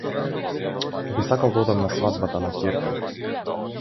Би сакал да одам на свадбата на ќерка ми.